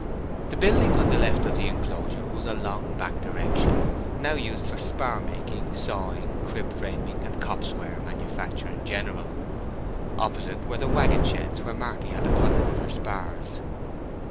The building on the left of the enclosure was a long backed erection, now used for spar making, sawing, crib framing, and copse ware manufacture in general. Opposite were the wagon sheds where Marty had deposited her spars.